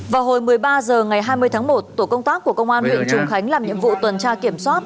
vào hồi một mươi ba h ngày hai mươi tháng một tổ công tác của công an huyện trùng khánh làm nhiệm vụ tuần tra kiểm soát